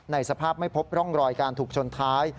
สภาพไม่พบร่องรอยการถูกชนท้าย